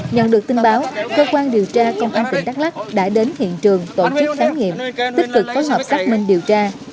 nhận được tin báo cơ quan điều tra công an tỉnh đắk lắc đã đến hiện trường tổ chức khám nghiệm tích cực phối hợp xác minh điều tra